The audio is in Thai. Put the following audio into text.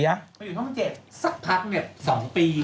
สักพักเนี่ย๒ปี